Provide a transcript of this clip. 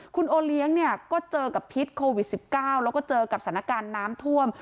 คุณโอเลี้ยงเนี่ยก็เจอกับพิษโควิด๑๙แล้วก็เจอกับสถานการณ์น้ำท่วม